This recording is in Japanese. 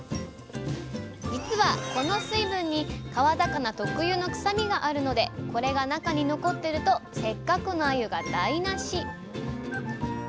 実はこの水分に川魚特有の臭みがあるのでこれが中に残ってるとせっかくのあゆが台なし！